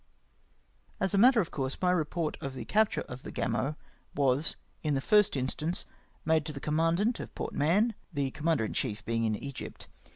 ''' As a matter of course, my report of the capture of the Gamo was, in the first instance, made to the com mandant at Port Mahon, the commander in chief being in Egypt.